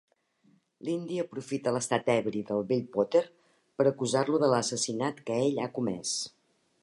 L'indi aprofita l'estat ebri del vell Potter per acusar-lo de l'assassinat que ell ha comès.